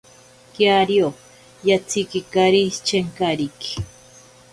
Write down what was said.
Kiario yatsikikari chenkariki.